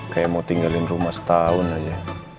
kayak mau tinggalin rumah setahun aja